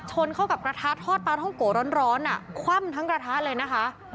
ชนเข้ากับกระทะทอดปลาท่องโกะร้อนคว่ำทั้งกระทะเลยนะคะ